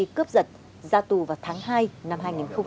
tuấn đã bị cướp giật ra tù vào tháng hai năm hai nghìn hai mươi